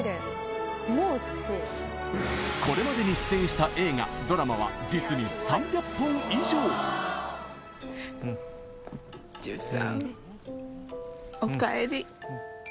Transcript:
これまでに出演した映画ドラマは実に３００本以上忠さんお帰り